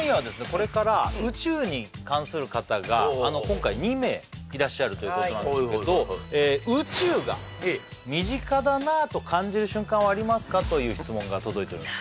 これから宇宙に関する方が今回２名いらっしゃるということなんですけどありますか？という質問が届いております